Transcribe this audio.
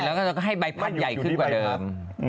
แล้วก็จะให้ใบปั้นใหญ่ขึ้นกว่าเดิม